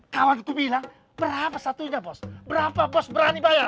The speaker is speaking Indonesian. kawan ku bilang berapa satunya bos berapa bos berani bayar